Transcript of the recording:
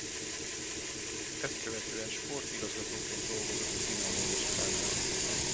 Ezt követően sportigazgatóként dolgozott a Gyinamo Moszkvánál.